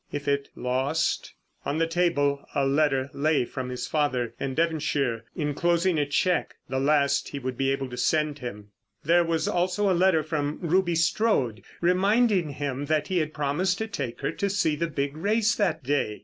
If it lost——? On the table a letter lay from his father in Devonshire enclosing a cheque—the last he would be able to send him. There was also a letter from Ruby Strode, reminding him that he had promised to take her to see the big race that day.